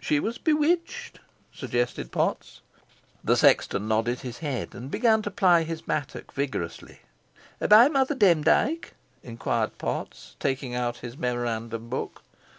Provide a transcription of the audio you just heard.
"She was bewitched?" suggested Potts. The sexton nodded his head, and began to ply his mattock vigorously. "By Mother Demdike?" inquired Potts, taking out his memorandum book.